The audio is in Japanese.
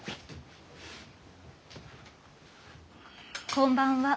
こんばんは。